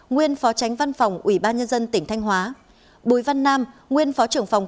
nguyên phó tránh văn phòng ủy ban nhân dân tỉnh thanh hóa bùi văn nam nguyên phó trưởng phòng